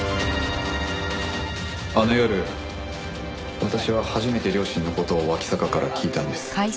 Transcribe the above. あの夜私は初めて両親の事を脇坂から聞いたんです。